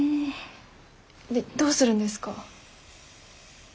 どうするんですか？